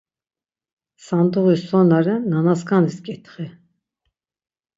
Sanduği so na ren nanaskanis ǩitxi.